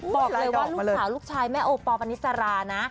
บอกเลยว่าลูกสาวลูกชายแม่โอปอลปณิสรานะ